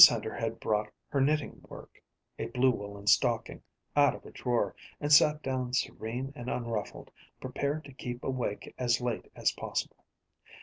Hender had brought her knitting work, a blue woolen stocking, out of a drawer, and sat down serene and unruffled, prepared to keep awake as late as possible.